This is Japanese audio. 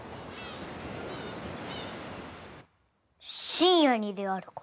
深夜にであるか？